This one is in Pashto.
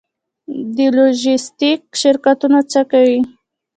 د لوژستیک شرکتونه څه کوي؟